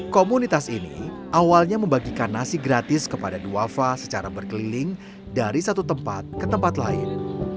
komunitas ini awalnya membagikan nasi gratis kepada duafa secara berkeliling dari satu tempat ke tempat lain